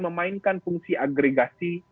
memainkan fungsi agregasi